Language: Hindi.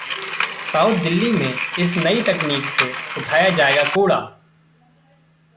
साउथ दिल्ली में इस नई तकनीक से उठाया जाएगा कूड़ा